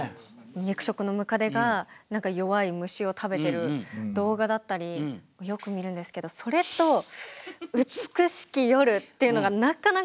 肉食のムカデが弱い虫を食べてる動画だったりよく見るんですけどそれと「うつくしき夜」っていうのがなかなか。